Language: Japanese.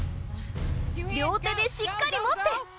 両手でしっかり持って！